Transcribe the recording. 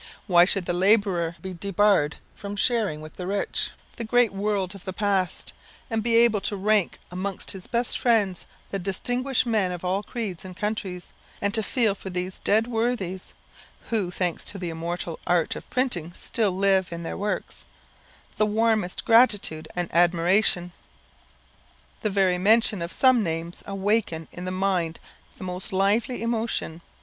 Why should the labourer be debarred from sharing with the rich the great world of the past, and be able to rank amongst his best friends the distinguished men of all creeds and countries, and to feel for these dead worthies (who, thanks to the immortal art of printing, still live in their works) the warmest gratitude and admiration? The very mention of some names awaken in the mind the most lively emotion.